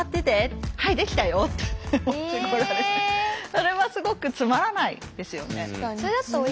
それはすごくつまらないですよね。